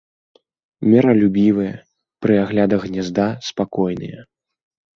Міралюбівыя, пры аглядах гнязда спакойныя.